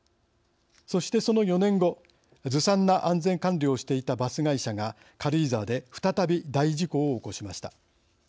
そして、その４年後ずさんな安全管理をしていたバス会社が軽井沢で再び大事故を起こしました。